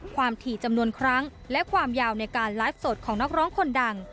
ถี่จำนวนครั้งและความยาวในการไลฟ์สดของนักร้องคนดัง